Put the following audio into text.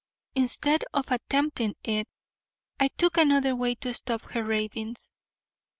Instead of attempting it, I took another way to stop her ravings.